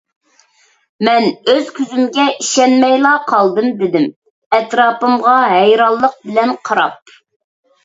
— مەن ئۆز كۆزۈمگە ئىشەنمەيلا قالدىم، — دېدىم ئەتراپىمغا ھەيرانلىق بىلەن قاراپ.